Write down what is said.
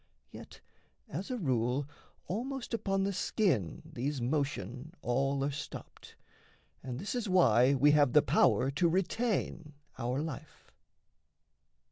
Yet as a rule, almost upon the skin These motion aIl are stopped, and this is why We have the power to retain our life.